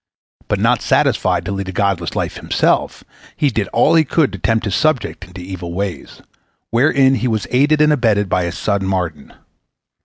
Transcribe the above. But not satisfied to lead a godless life himself, he did all he could to tempt his subjects into evil ways, wherein he was aided and abetted by his son Mardon.